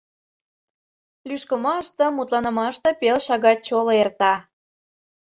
Лӱшкымаште, мутланымаште пел шагат чоло эрта.